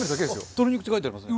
「鶏肉」って書いてありますね。